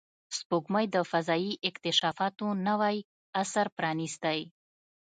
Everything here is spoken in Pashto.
سپوږمۍ د فضایي اکتشافاتو نوی عصر پرانستی